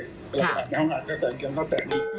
ในห้างใส่รองเท้าแตะกางเกงคัตสั้น